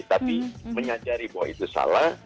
tapi menyadari bahwa itu salah